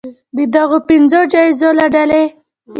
د دغو پنځو جایزو له ډلې